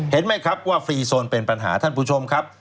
เห็นไหมครับว่าฟรีโซนเป็นปัญหาท่านผู้ชมครับ